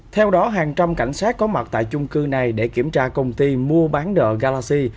theo đó hàng trăm cảnh sát có mặt tại chung cư này để kiểm tra công ty mua bán nợ galaxy